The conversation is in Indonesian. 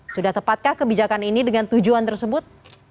sudah tepatkah kebijakan ini dengan tujuan tersebut